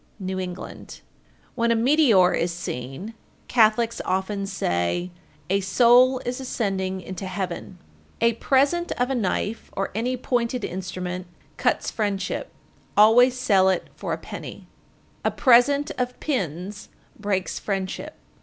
New England. 1412. When a meteor is seen, Catholics often say, "A soul is ascending into heaven." 1413. A present of a knife or any pointed instrument cuts friendship; always sell it for a penny. 1414. A present of pins breaks friendship.